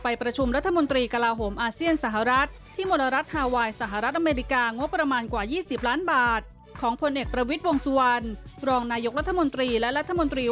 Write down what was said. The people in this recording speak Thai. ไปติดตามกันเลยค่ะ